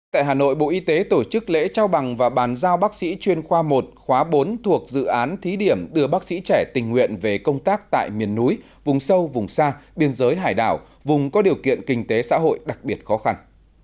tại hà nội bộ y tế tổ chức lễ trao bằng và bàn giao bác sĩ chuyên khoa một khoa bốn thuộc dự án thí điểm đưa bác sĩ trẻ tình nguyện về công tác tại miền núi vùng sâu vùng xa biên giới hải đảo vùng có điều kiện kinh tế xã hội đặc biệt khó khăn